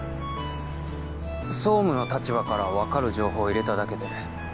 総務の立場からわかる情報を入れただけで。